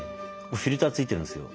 フィルター付いてるんですよ。